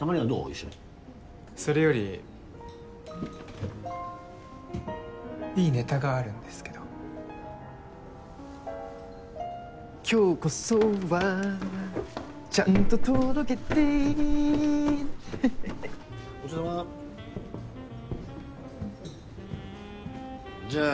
一緒にそれよりいいネタがあるんですけど今日こそはちゃんと届けてごちそうさまじゃあ